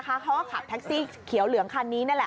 เขาก็ขับแท็กซี่เขียวเหลืองคันนี้นั่นแหละ